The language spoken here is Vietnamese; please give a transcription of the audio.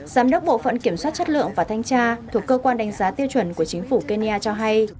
giám đốc bộ phận kiểm soát chất lượng và thanh tra thuộc cơ quan đánh giá tiêu chuẩn của chính phủ kenya cho hay